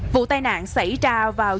vụ tai nạn xảy ra vào giờ kết